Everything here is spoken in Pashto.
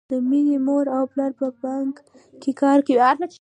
د مینې مور او پلار په بانک کې کار کاوه